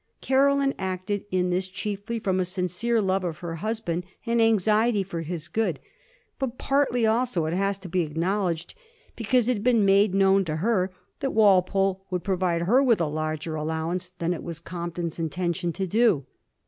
Caroline acted in this chiefly from a sincere love of her husband and anxiety for his good, but partly also, it has to be acknowledged, because it had been made known to her that Walpole would provide her with a larger allowance than it was Compton's intention to do.